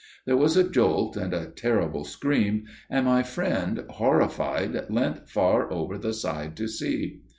There was a jolt and a terrible scream, and my friend horrified leant far over the side to see.